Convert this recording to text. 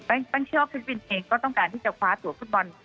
ตั้งชื่อว่าฟิลิปปินส์เองก็ต้องการที่จะคว้าตัวฟุตบอล